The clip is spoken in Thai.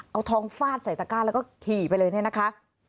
เอาทองฟาดใส่ตะก้าแล้วก็ขี่ไปเลยเนี่ยนะคะ